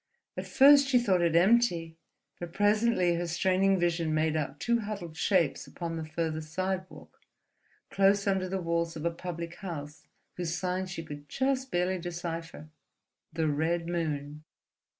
At first she thought it empty; but presently her straining vision made out two huddled shapes upon the farther sidewalk, close under the walls of a public house whose sign she could just barely decipher: the Red Moon.